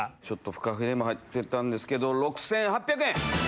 フカヒレも入ってたんですけど６８００円！